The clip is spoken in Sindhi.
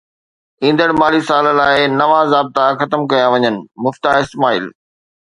ايندڙ مالي سال لاءِ نوان ضابطا ختم ڪيا وڃن: مفتاح اسماعيل